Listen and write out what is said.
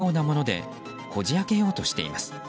やはりバールのようなものでこじ開けようとしています。